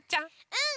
うん！